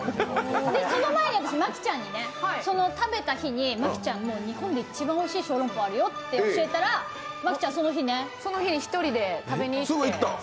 その前に私、麻貴ちゃんに食べた日に麻貴ちゃん、日本で一番おいしい小籠包があるよっていったらその日、１人で食べにいって。